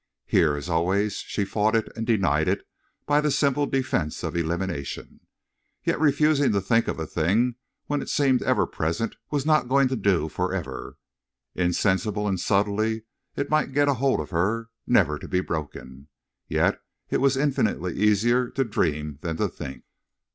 Here, as always, she fought it and denied it by the simple defense of elimination. Yet refusing to think of a thing when it seemed ever present was not going to do forever. Insensibly and subtly it might get a hold on her, never to be broken. Yet it was infinitely easier to dream than to think.